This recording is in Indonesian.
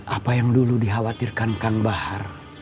apa yang dulu dikhawatirkan kang bahar